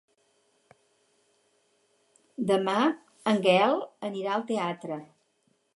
Demà en Gaël anirà al teatre.